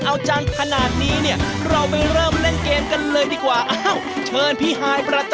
ถามต่อก่อนว่าแม่มั่นใจหรือไม่ว่าช่วยพี่ฮายได้